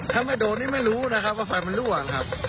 ถ้าไม่โดนนี่ไม่รู้นะครับว่าไฟมันรั่วครับ